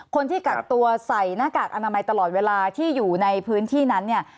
คนที่กักตัวใส่หน้ากากอนามัยตลอดเวลาที่อยู่ในพื้นที่นั้นเนี่ย